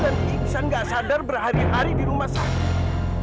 karena aku dan iksan gak sadar berhari hari di rumah sakit